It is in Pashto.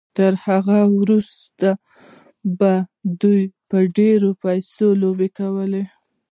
تر هغه وروسته به دوی په ډېرو پيسو لوبې کوي.